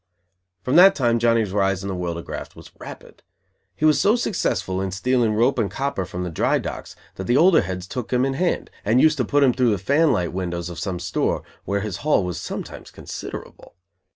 From that time Johnny's rise in the world of graft was rapid. He was so successful in stealing rope and copper from the dry docks that the older heads took him in hand and used to put him through the "fan light" windows of some store, where his haul was sometimes considerable.